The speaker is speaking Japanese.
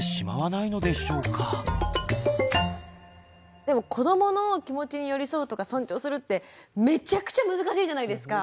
聞いてしまうとでも子どもの気持ちに寄り添うとか尊重するってめちゃくちゃ難しいじゃないですか。